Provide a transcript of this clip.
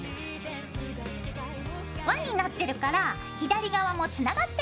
わになってるから左側もつながってできるんだよ。